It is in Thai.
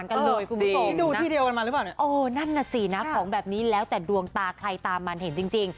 ของแบบนี้แล้วแต่ดวงตาใครตามมันเห็นจริง